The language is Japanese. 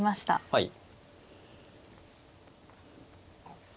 はい。